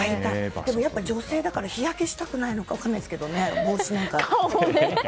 でも、女性だから日焼けしたくないのか分からないですけど帽子なんかをね。